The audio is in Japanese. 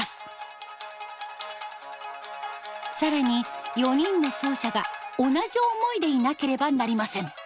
更に４人の奏者が同じ思いでいなければなりません。